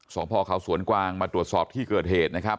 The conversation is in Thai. พ่อเขาสวนกวางมาตรวจสอบที่เกิดเหตุนะครับ